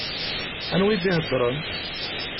Anwa i d-iheddṛen?